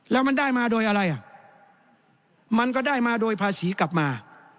แล้วมันได้มาโดยอะไรอ่ะมันก็ได้มาโดยภาษีกลับมา